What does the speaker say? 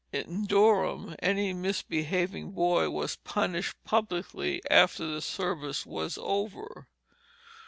In Durham any misbehaving boy was punished publicly after the service was over.